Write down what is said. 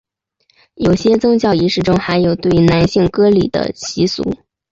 有些宗教仪式中还有对男性割礼的习俗。